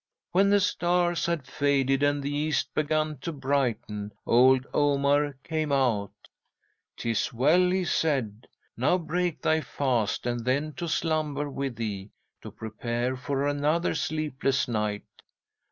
"'When the stars had faded and the east begun to brighten, old Omar came out. "Tis well," he said. "Now break thy fast, and then to slumber with thee, to prepare for another sleepless night."